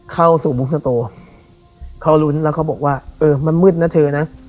เข้าสู่บุ๊กสโตเขาลุ้นแล้วเขาบอกว่าเออมันมืดนะเธอนะ